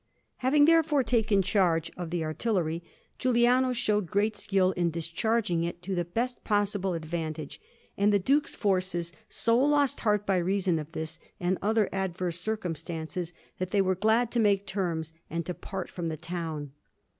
Having therefore taken charge of the artillery, Giuliano showed great skill in discharging it to the best possible advantage; and the Duke's forces so lost heart by reason of this and other adverse circumstances, that they were glad to make terms and depart from the town.